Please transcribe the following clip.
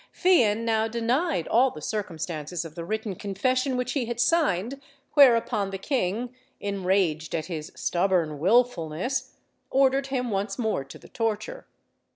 Fian now denied all the circumstances of the written confession which he had signed; whereupon the king, enraged at his "stubborn wilfulness," ordered him once more to the torture.